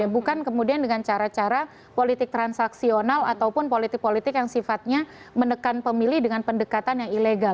bukan kemudian dengan cara cara politik transaksional ataupun politik politik yang sifatnya menekan pemilih dengan pendekatan yang ilegal